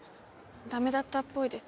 駄目だったっぽいです。